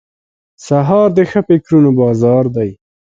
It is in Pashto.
سهار د ښه فکرونو بازار دی.